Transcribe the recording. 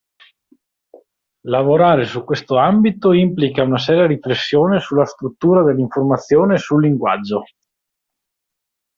Lavorare su questo ambito implica una seria riflessione sulla struttura dell'informazione e sul linguaggio.